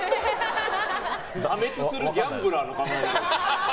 破滅するギャンブラーの考え方です。